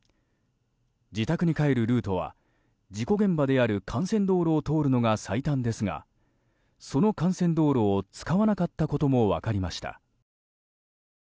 自宅に帰るルートは事故現場である幹線道路を通るのが最短ですがその幹線道路を使わなかったことも分かりました。